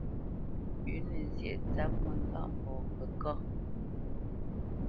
Pʉ̌nǝ zyéʼ tsǎp mǝŋgâʼmbɔɔ kǝ kâ.